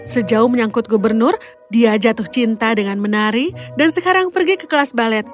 sejauh menyangkut gubernur dia jatuh cinta dengan menari dan sekarang pergi ke kelas balet